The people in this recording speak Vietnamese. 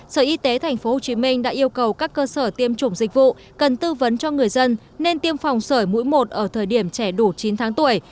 sở y tế tp hcm đã yêu cầu các cơ sở tiêm chủng dịch vụ cần tư vấn cho người dân nên tiêm phòng sởi mũi một ở thời điểm trẻ đủ chín tháng tuổi